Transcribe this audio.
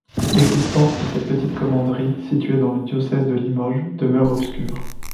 L'existence de cette petite commanderie, située dans le diocèse de Limoges, demeure obscure.